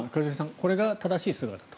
これが正しい姿だと。